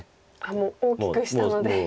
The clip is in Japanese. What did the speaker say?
もう大きくしたので。